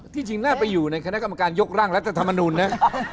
จริงน่าไปอยู่ในคณะกรรมการยกร่างรัฐธรรมนุนนะ